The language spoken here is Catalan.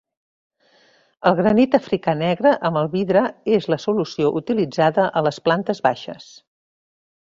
El granit africà negre amb el vidre és la solució utilitzada a les plantes baixes.